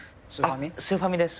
スーファミです。